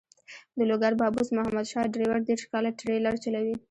د لوګر بابوس محمد شاه ډریور دېرش کاله ټریلر چلوي.